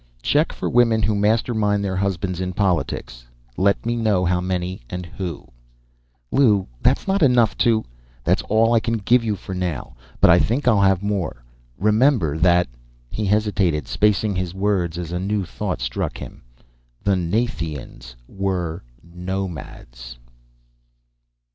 "_ "Check for women who mastermind their husbands in politics. Let me know how many and who." "Lew, that's not enough to " "That's all I can give you for now, but I think I'll have more. Remember that ..." he hesitated, spacing his words as a new thought struck him _"... the ... Nathians ... were ... nomads."